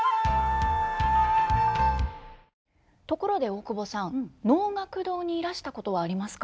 ところで大久保さん能楽堂にいらしたことはありますか？